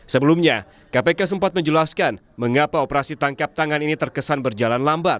sebelumnya kpk sempat menjelaskan mengapa operasi tangkap tangan ini terkesan berjalan lambat